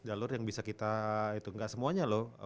jalur yang bisa kita itu nggak semuanya loh